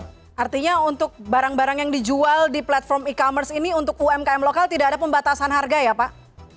oke artinya untuk barang barang yang dijual di platform e commerce ini untuk umkm lokal tidak ada pembatasan harga ya pak